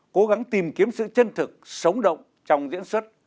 cố gắng tìm kiếm sự chân thực sống động trong diễn xuất